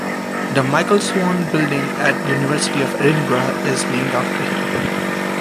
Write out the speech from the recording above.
The Michael Swann Building at the University of Edinburgh is named after him.